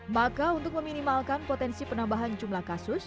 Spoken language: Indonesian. maka untuk meminimalkan potensi penambahan jumlah kasus